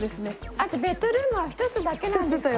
あとベッドルームは１つだけなんですか？